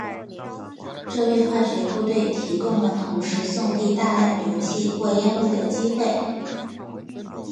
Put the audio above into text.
这为化学部队提供了同时送递大量毒气或烟雾的机会。